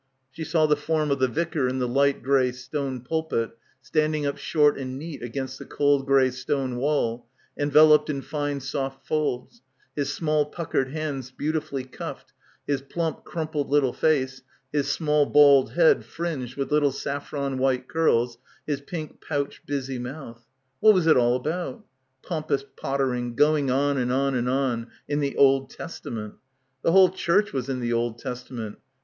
She saw the form of the vicar in the light grey stone pulpit standing up short and neat against the cold grey stone wall, enveloped in fine soft folds, his small puckered hands beautifully cuffed, his plump crumpled little face, his small bald head fringed with little saffron white curls, his pink pouched busy mouth. What was it all about? Pomp ous pottering, going on and on and on — in the Old Testament The whole church was in the Old Testament.